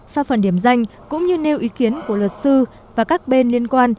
sau phần điểm danh cũng như nêu ý kiến của luật sư và các bên liên quan